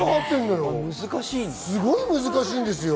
すごい難しいんですよ。